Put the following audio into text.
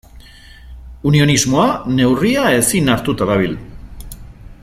Unionismoa neurria ezin hartuta dabil.